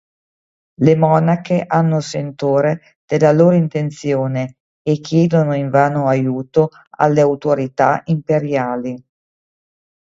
Le monache hanno sentore della loro intenzione e chiedono invano aiuto alle autorità imperiali.